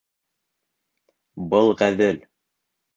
Был ғәҙел.